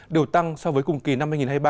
đều tăng so với cùng kỳ năm hai nghìn hai mươi ba